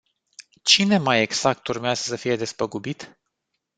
Cine, mai exact, urmează să fie despăgubit?